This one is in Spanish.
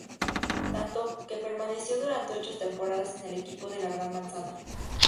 Tanto, que permaneció durante ocho temporadas en el equipo de la Gran Manzana.